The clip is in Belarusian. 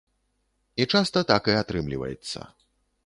І часта так і атрымліваецца.